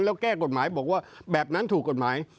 และแก้กฎหมายแบบนั้นถูกกฎหมาย